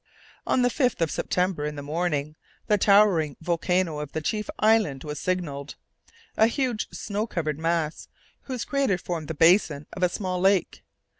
On the 5th of September, in the morning, the towering volcano of the chief island was signalled; a huge snow covered mass, whose crater formed the basin of a small lake.